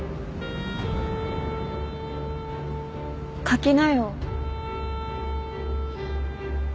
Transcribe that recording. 書きなよ。